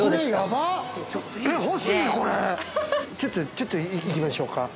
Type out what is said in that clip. ◆ちょっと行きましょうか。